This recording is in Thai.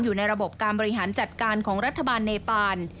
อยู่ในระบบการบริหารจัดการของรัฐบาลเนปาน